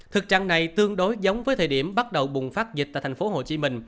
thực trạng này tương đối giống với thời điểm bắt đầu bùng phát dịch tại tp hcm